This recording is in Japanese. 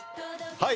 はい